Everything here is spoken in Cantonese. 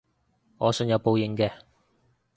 我信有報應嘅